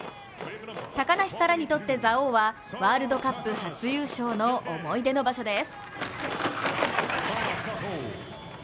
高梨沙羅にとって、蔵王はワールドカップ初優勝の思い出の場所です。